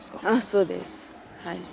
そうです。